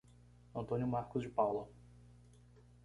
Antônio Marcos de Paula